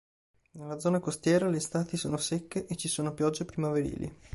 Nella zona costiera le estati sono secche e ci sono piogge primaverili.